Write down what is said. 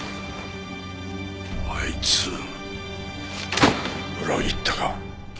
あいつ裏切ったか。